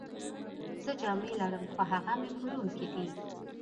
زه جامې لرم، خو هغه مې په روم کي دي.